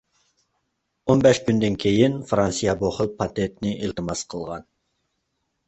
ئون بەش كۈندىن كېيىن فىرانسىيە بۇ خىل پاتېنتنى ئىلتىماس قىلغان.